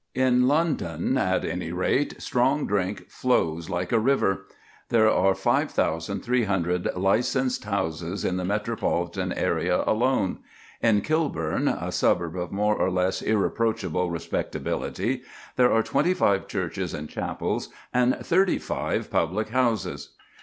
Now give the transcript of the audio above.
In London, at any rate, strong drink flows like a river. There are 5300 licensed houses in the metropolitan area alone. In Kilburn, a suburb of more or less irreproachable respectability, there are twenty five churches and chapels and thirty five public houses.